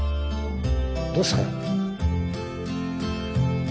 どうしたの？